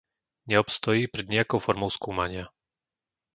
Neobstojí pred nijakou formou skúmania.